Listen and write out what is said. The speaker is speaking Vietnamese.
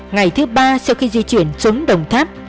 ngày thứ ba sau khi di chuyển xuống đồng tháp